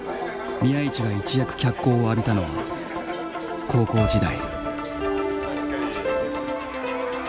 宮市が一躍脚光を浴びたのは高校時代。